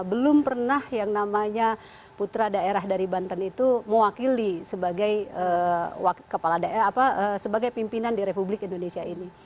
belum pernah yang namanya putra daerah dari banten itu mewakili sebagai kepala daerah sebagai pimpinan di republik indonesia ini